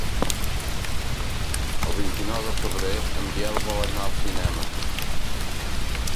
El vint-i-nou de febrer en Biel vol anar al cinema.